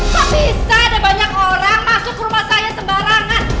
kok bisa ada banyak orang masuk rumah saya sembarangan